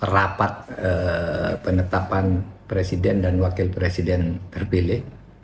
rapat penetapan presiden dan wakil presiden terpilih